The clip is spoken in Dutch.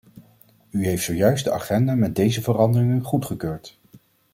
U heeft zojuist de agenda met deze veranderingen goedgekeurd.